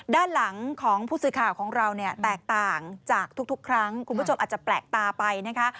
ด้านหลังของผู้สื่อข่าวของเราเนี่ยแตกต่างจากทุกครั้งคุณผู้ชมอาจจะแปลกตาไปนะคะ